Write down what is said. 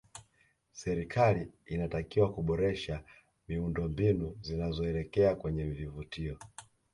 serikali inatakiwa kuboresha miundo mbinu zinazoelekea kwenye vivutio